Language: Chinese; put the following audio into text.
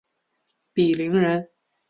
鄙陵人。